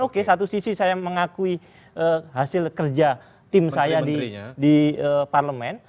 oke satu sisi saya mengakui hasil kerja tim saya di parlemen